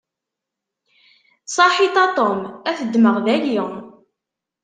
Saḥit a Tom, ad t-ddmeɣ dayi.